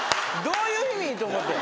どういう意味？と思って。